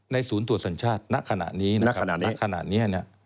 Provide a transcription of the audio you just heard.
ในศูนย์ตรวจสัญชาติณขณะนี้